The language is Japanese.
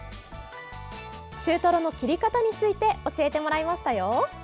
中トロの切り方について教えてもらいましたよ。